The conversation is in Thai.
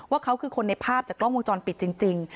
ว่าเขาคือคนในภาพจากกล้องวงจรปิดจริง